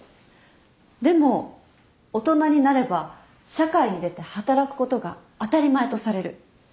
でも大人になれば社会に出て働くことが当たり前とされる。